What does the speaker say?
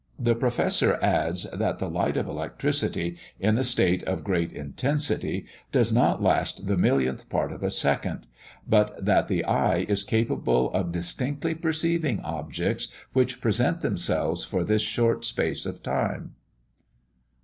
The Professor adds, that the light of electricity, in a state of great intensity, does not last the millionth part of a second; but that the eye is capable of distinctly perceiving objects which present themselves for this short space of time.